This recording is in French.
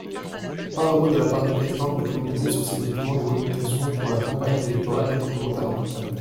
Pas un mot de la part du Président de la communauté sur ses documents de communication pour la campagne électorale départementale, en tous cas.